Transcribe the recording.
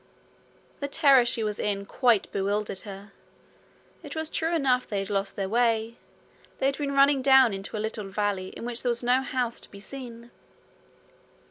The terror she was in had quite bewildered her. It was true enough they had lost the way. They had been running down into a little valley in which there was no house to be seen.